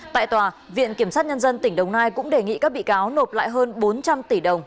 tại tòa viện kiểm sát nhân dân tỉnh đồng nai cũng đề nghị các bị cáo nộp lại hơn bốn trăm linh tỷ đồng